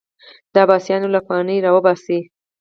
د عباسیانو له واکمني راوباسي